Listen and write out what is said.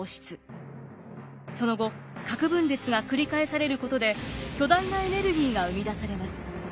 その後核分裂が繰り返されることで巨大なエネルギーが生み出されます。